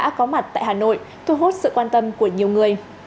được tạo ra tại hà nội thu hút sự quan tâm của nhiều người